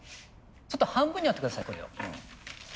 ちょっと半分に折って下さいこれを。